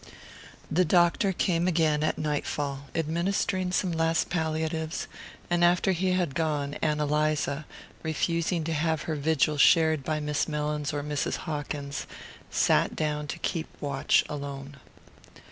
The doctor came again at nightfall, administering some last palliatives; and after he had gone Ann Eliza, refusing to have her vigil shared by Miss Mellins or Mrs. Hawkins, sat down to keep watch alone.